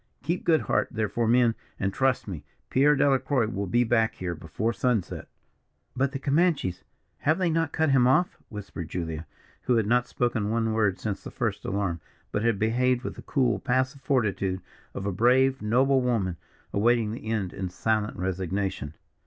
Keep good heart, therefore, men, and, trust me, Pierre Delacroix will be back here before sunset." "But the Comanches! have not they cut him off?" whispered Julia, who had not spoken one word since the first alarm, but had behaved with the cool, passive fortitude of a brave, noble woman, awaiting the end in silent resignation.